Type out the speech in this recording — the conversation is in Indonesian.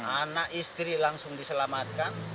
anak istri langsung diselamatkan